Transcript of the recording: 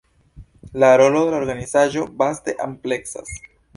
La rolo de la organizaĵo vaste ampleksas.